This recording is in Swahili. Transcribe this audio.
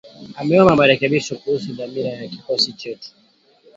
Ameomba marekebisho kuhusu dhamira ya kikosi chetu.